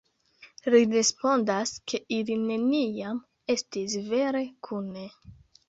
Li respondas ke ili neniam estis vere kune.